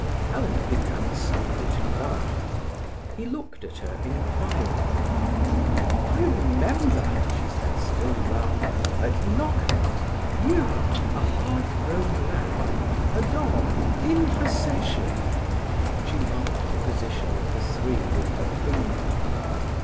Helena began suddenly to laugh. He looked at her inquiringly. "I remember," she said, still laughing, "at Knockholt—you—a half grown lamb—a dog—in procession." She marked the position of the three with her finger.